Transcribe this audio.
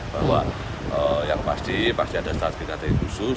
bahwa yang pasti ada strategi khusus